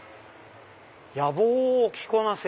「野望を着こなせ」。